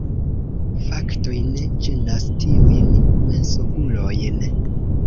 Faktoj ne ĝenas tiujn mensogulojn.